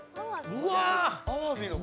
うわ！